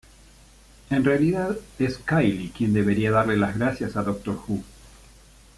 En realidad, es Kylie quien debería darle las gracias a "Doctor Who".